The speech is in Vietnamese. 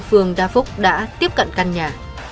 phường đa phúc đã tiếp cận căn nhà